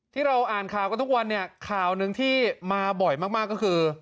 ที่เราอ่านข่าวกันทุกวันเนี่ยข่าวหนึ่งที่มาบ่อยมากก็คือ